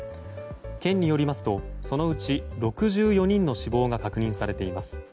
県によりますとそのうち６４人の死亡が確認されています。